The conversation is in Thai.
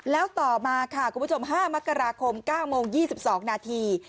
แล้วต่อมาค่ะคุณผู้ชม๕มกราคม๙โมง๒๒นาที